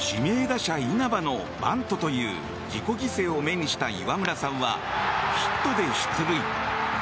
指名打者、稲葉のバントという自己犠牲を目にした岩村さんはヒットで出塁。